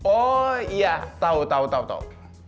oh iya tau tau tau